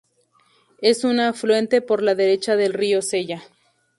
Es un afluente por la derecha del río Sella.